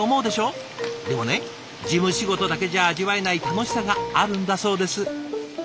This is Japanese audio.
でもね事務仕事だけじゃ味わえない楽しさがあるんだそうです。